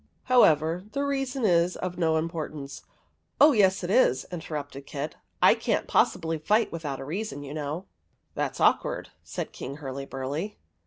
However, the reason is of no importance —"" Oh yes, it is," interrupted Kit. " I can't possibly fight without a reason, you know." "That's awkward," said King Hurlyburly.